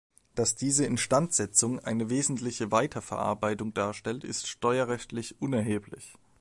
Dass diese Instandsetzung eine wesentliche Weiterverarbeitung darstellt, ist steuerrechtlich unerheblich.